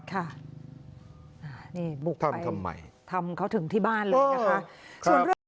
นี่บุกไปทำเขาถึงที่บ้านเลยนะคะ